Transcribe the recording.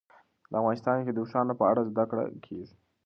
افغانستان کې د اوښانو په اړه زده کړه کېږي.